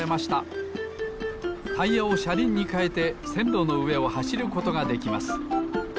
タイヤをしゃりんにかえてせんろのうえをはしることができます。